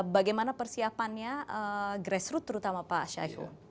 bagaimana persiapannya grassroot terutama pak syahihun